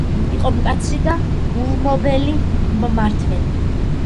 იყო მკაცრი და ულმობელი მმართველი.